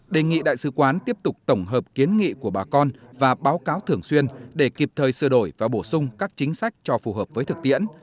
đề nghị đại sứ quán tiếp tục tổng hợp kiến nghị của bà con và báo cáo thường xuyên để kịp thời sửa đổi và bổ sung các chính sách cho phù hợp với thực tiễn